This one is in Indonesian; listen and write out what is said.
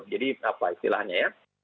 jadi apa istilahnya ya